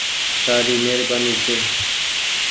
تآري مهرباني ڇي